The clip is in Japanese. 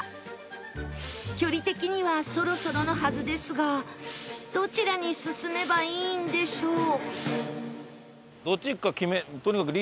距離的にはそろそろのはずですがどちらに進めばいいんでしょう？